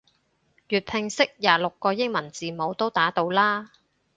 粵拼識廿六個英文字母都打到啦